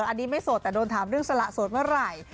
อันนี้ไม่โสดแต่โดนถามเรื่องสละโสดเมื่อไหร่